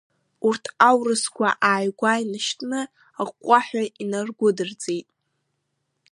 Урҭ, аурысқәа ааигәа инашьҭны, аҟәҟәаҳәа инаргәыдырҵеит.